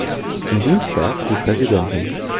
Zum Dienstag Die Präsidentin.